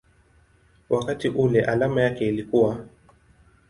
wakati ule alama yake ilikuwa µµ.